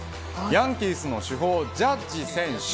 ヤンキースの主砲ジャッジ選手。